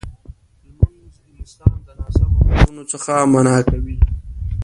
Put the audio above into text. لمونځ انسان د ناسم کارونو څخه منع کوي.